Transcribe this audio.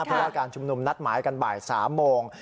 เพราะว่าการชุมนุมนัดหมายกันบ่าย๓โมง